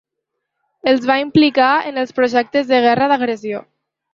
Els va implicar en els projectes de guerra d'agressió.